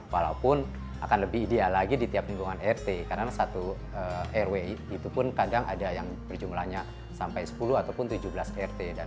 walaupun akan lebih ideal lagi di tiap lingkungan rt karena satu rw itu pun kadang ada yang berjumlahnya sampai sepuluh ataupun tujuh belas rt